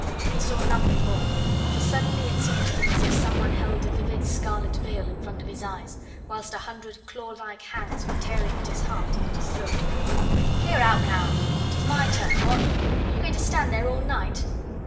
He saw nothing more, for suddenly it seemed to him as if some one held a vivid scarlet veil in front of his eyes, whilst a hundred claw like hands were tearing at his heart and at his throat. "Clear out now! it is my turn what? Are you going to stand there all night?"